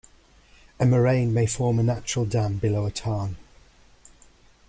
A moraine may form a natural dam below a tarn.